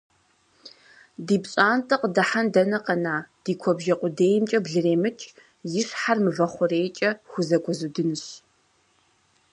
Ди пщӏантӏэ къыдыхьэн дэнэ къэна, ди куэбжэ къудеймкӏэ блыремыкӏ, и щхьэр мывэ хъурейкӏэ хузэгуэзудынщ.